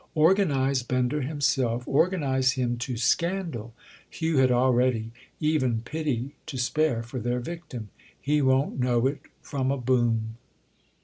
Organise Bender himself—organise him to scandal." Hugh had already even pity to spare for their victim. "He won't know it from a boom."